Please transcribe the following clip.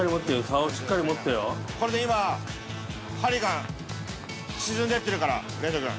これで今、針が沈んでいってるから、れんと君。